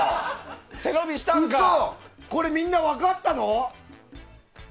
これ、みんな分かったの？